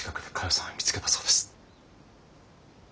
さんは見つけたそうです。